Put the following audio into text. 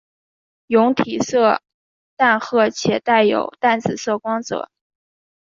蛹体色淡褐且带有淡紫色光泽。